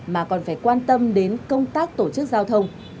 mà còn phải quan tâm đến công tác tổ chức giao thông